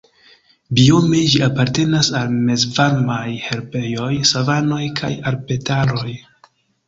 Biome ĝi apartenas al Mezvarmaj herbejoj, savanoj kaj arbedaroj.